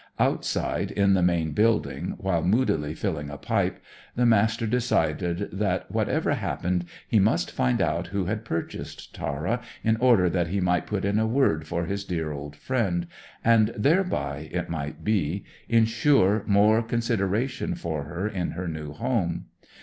Outside, in the main building, while moodily filling a pipe, the Master decided that, whatever happened, he must find out who had purchased Tara in order that he might put in a word for his dear old friend, and thereby, it might be, ensure more consideration for her in her new home.